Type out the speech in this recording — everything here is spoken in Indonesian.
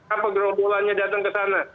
apa gerobolannya datang ke sana